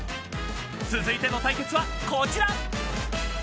［続いての対決はこちら！］